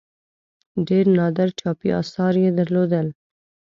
ډېر نادر چاپي آثار یې درلودل.